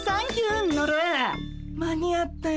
間に合ったよ